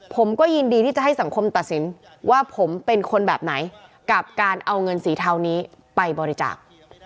ผมก็ยินดีที่จะให้สังคมตัดสินว่าผมเป็นคนแบบไหนกับการเอาเงินสีเทานี้ไปบริจาค